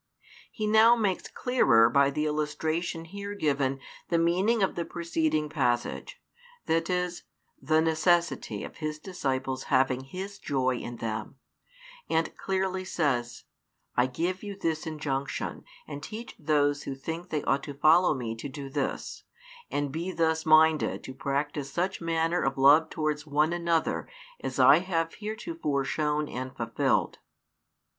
He now makes clearer by the illustration here given the meaning of the preceding passage; that is, the necessity of His disciples having His joy in them; and clearly says, "I give you this injunction, and teach those who think they ought to follow Me to do this, and be thus minded to practise such manner of love towards one another as I have heretofore shown and fulfilled."